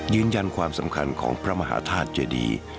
ยืนยันความสำคัญของพระมหาธาตุเจดี